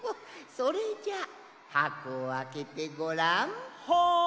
それじゃあはこをあけてごらん。